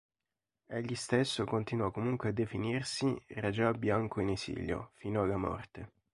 Egli stesso continuò comunque a definirsi "Raja Bianco in esilio" fino alla morte.